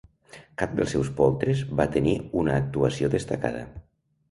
Cap dels seus poltres va tenir una actuació destacada.